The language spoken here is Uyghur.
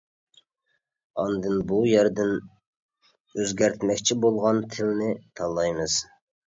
ئاندىن بۇ يەردىن ئۆزگەرتمەكچى بولغان تىلنى تاللايمىز.